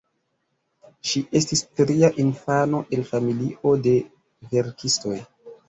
Ŝi estis tria infano el familio de verkistoj.